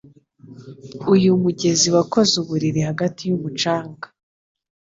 uyu mugezi wakoze uburiri hagati yumucanga